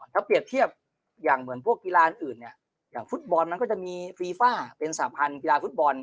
ถ้าเปรียบเทียบอย่างเหมือนพวกกีฬาอื่นเนี่ยอย่างฟุตบอลมันก็จะมีฟีฟ่าเป็นสาพันธ์กีฬาฟุตบอล